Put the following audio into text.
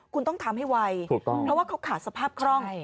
คุณต้องทำให้ไวถูกต้องเพราะว่าเขาขาดสภาพคล่อง